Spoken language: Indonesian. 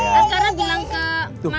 askara bilang ke